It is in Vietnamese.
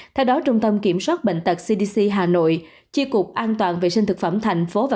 theo đó trung tâm kiểm soát bệnh tật cdc hà nội chi cục an toàn vệ sinh thực phẩm thành phố và